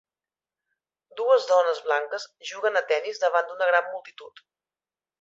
Dues dones blanques juguen a tennis davant una gran multitud.